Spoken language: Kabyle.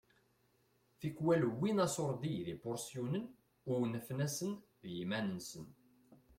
Tikwal wwin aṣurdi d ipuṛsyunen u unfen-asen d yiman-nsen.